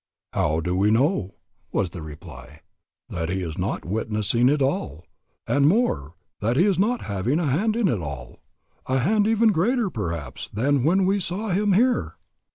"How do we know," was the reply, "that he is not witnessing it all? and more, that he is not having a hand in it all, a hand even greater, perhaps, than when we saw him here?"